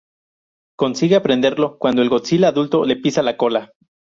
Consigue aprenderlo cuando el Godzilla adulto le pisa la cola.